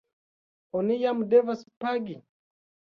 Oni jam devas pagi?